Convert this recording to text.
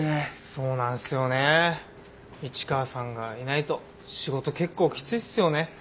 そうなんすよね市川さんがいないと仕事結構きついっすよね。